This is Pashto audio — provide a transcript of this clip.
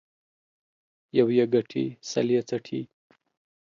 يو يې گټي ، سل يې څټي.